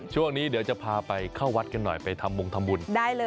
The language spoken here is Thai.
ช่วงนี้เดี๋ยวจะพาไปเข้าวัดกันหน่อยไปทำบงทำบุญ